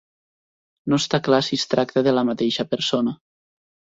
No està clar si es tracta de la mateixa persona.